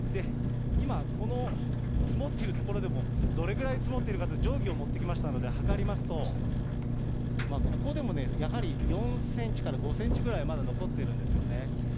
今、この積もっている所でも、どれぐらい積もってるかと定規を持ってきましたので測りますと、ここでもね、やはり４センチから５センチぐらい、まだ残っているんですよね。